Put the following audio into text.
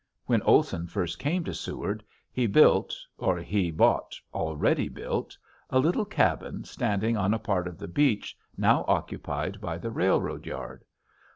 When Olson first came to Seward he built or he bought already built a little cabin standing on a part of the beach now occupied by the railroad yard.